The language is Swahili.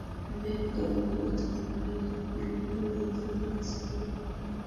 Abeid Karume atamwambia wakili huyo aifute kesi hiyo